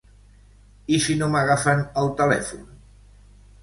I si no m'agafen el telèfon?